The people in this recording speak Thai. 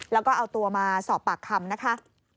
แล้วก็เอาตัวมาสอบปากคำนะคะ